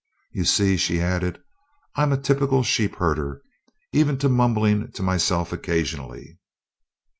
"You see," she added, "I'm a typical sheepherder, even to mumbling to myself occasionally."